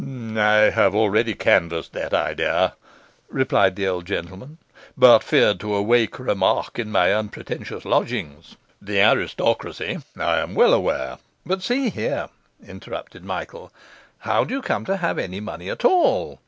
'I had already canvassed that idea,' replied the old gentleman, 'but feared to awaken remark in my unpretentious lodgings. The aristocracy, I am well aware ' 'But see here,' interrupted Michael, 'how do you come to have any money at all?